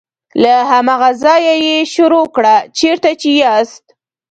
له هماغه ځایه یې شروع کړه چیرته چې یاست.